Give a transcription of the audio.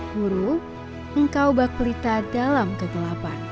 guru engkau bapelita dalam kegelapan